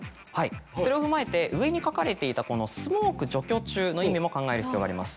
それを踏まえて上に書かれていたこの「スモーク除去中」の意味も考える必要があります。